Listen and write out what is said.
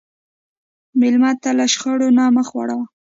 مېلمه ته له شخړې نه مخ واړوه.